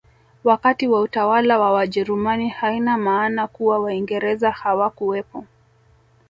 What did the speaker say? Wakati wa utawala wa wajerumani haina maana kuwa waingereza hawakuwepo